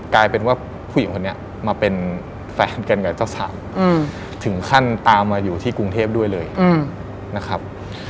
กลายเป็นว่าผู้หญิงคนนี้มาเป็นแฟนกันกับเจ้าสาวถึงขั้นตามมาอยู่ที่กรุงเทพด้วยเลยนะครับ